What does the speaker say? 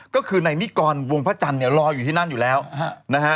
ก็คือในนิกรวงพระจันทร์เนี่ยรออยู่ที่นั่นอยู่แล้วนะฮะ